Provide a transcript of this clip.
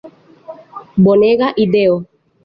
Bonega ideo!